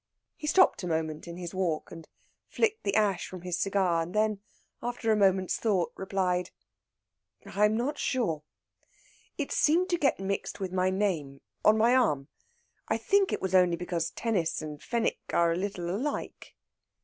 He stopped a moment in his walk, and flicked the ash from his cigar; then, after a moment's thought, replied: "I am not sure. It seemed to get mixed with my name on my arm. I think it was only because tennis and Fenwick are a little alike."